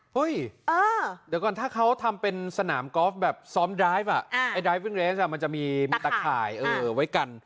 เดี๋ยวก่อนถ้าเขาทำเป็นสนามกอล์ฟแบบซ้อมดาฟไอ้ดายวิ่งเรสมันจะมีตะข่ายไว้กัน